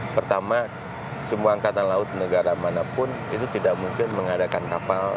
pertama semua angkatan laut negara manapun itu tidak mungkin mengadakan kapal